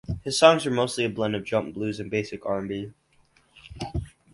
His songs were mostly a blend of jump blues and basic R and B.